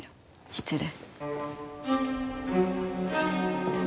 失礼。